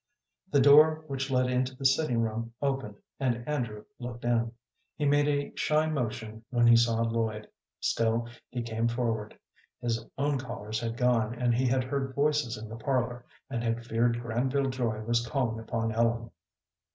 The door which led into the sitting room opened, and Andrew looked in. He made a shy motion when he saw Lloyd; still, he came forward. His own callers had gone, and he had heard voices in the parlor, and had feared Granville Joy was calling upon Ellen.